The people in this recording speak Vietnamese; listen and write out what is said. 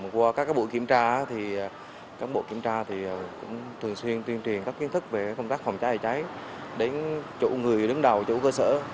qua các bộ kiểm tra thì thường xuyên tuyên truyền các kiến thức về công tác phòng cháy chữa cháy đến chủ người đứng đầu chủ cơ sở